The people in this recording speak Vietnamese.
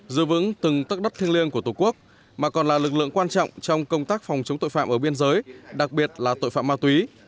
giữ vững từng tất đất thiêng liêng của tổ quốc mà còn là lực lượng quan trọng trong công tác phòng chống tội phạm ở biên giới đặc biệt là tội phạm ma túy